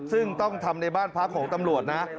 ซึ่งต้องทำในบ้านพักของตำรวจนะ